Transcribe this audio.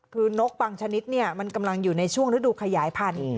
คือนกบางชนิดมันกำลังอยู่ในช่วงฤดูขยายพันธุ์